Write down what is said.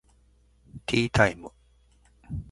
ティータイム